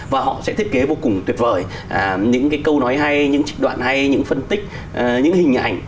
và họ sẽ thiết kế vô cùng tuyệt vời những cái câu nói hay những đoạn hay những phân tích những hình ảnh